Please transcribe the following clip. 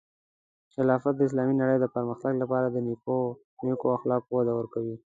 خلافت د اسلامی نړۍ د پرمختګ لپاره د نیکو اخلاقو وده ورکوي.